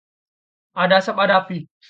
Ada asap ada api